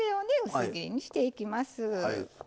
薄切りにしていきます。